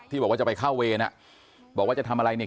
บอกว่าจะไปเข้าเวรอ่ะบอกว่าจะทำอะไรเนี่ย